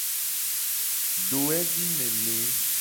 Dowevi meme.